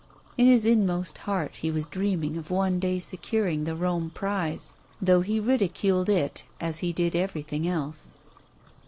In his inmost heart he was dreaming of one day securing the Rome prize, though he ridiculed it, as he did everything else.